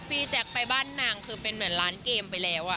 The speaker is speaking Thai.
พี่แจ๊คไปบ้านนางคือเป็นเหมือนร้านเกมไปแล้ว